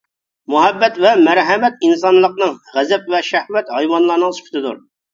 مۇھەببەت ۋە مەرھەمەت ئىنسانلىقنىڭ، غەزەپ ۋە شەھۋەت ھايۋانلارنىڭ سۈپىتىدۇر.